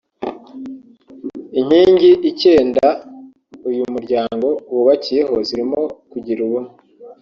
Inkingi icyenda uyu muryango wubakiyeho zirimo kugira ubumwe